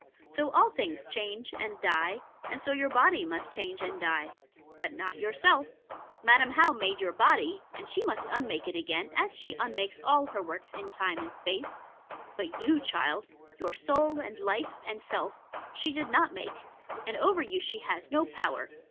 So all things change and die, and so your body too must change and die but not yourself. Madam How made your body; and she must unmake it again, as she unmakes all her works in Time and Space; but you, child, your Soul, and Life, and Self, she did not make; and over you she has no power.